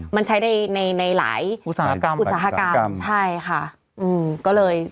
มันใช้ในหลายอุตสาหกรรม